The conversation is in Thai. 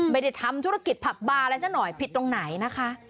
ไม่ได้ทำธุรกิจผับบาร์อะไรสักหน่อยผิดตรงไหนนะคะ